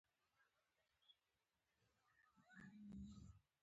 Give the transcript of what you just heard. داوکرایین له لوري په وربلل شوې دغه سرمشریزه کې هیڅ امریکایي استازی